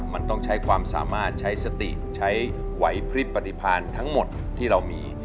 มันต้องใช้ความสามารถใช้สติใช้ไหวพลิบปฏิพันธ์ทั้งหมดที่เรามี